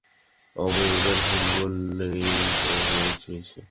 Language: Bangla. অপরাজিতার ফুল বললে, এই তো পেয়েইছ।